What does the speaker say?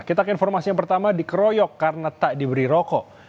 kita ke informasi yang pertama dikeroyok karena tak diberi rokok